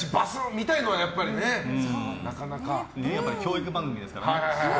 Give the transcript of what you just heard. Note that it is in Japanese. みたいなのはやっぱり教育番組ですからね。